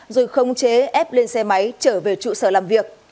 rồi không chế ép lên xe máy trở về trụ sở làm việc